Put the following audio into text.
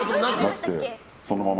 そのまま。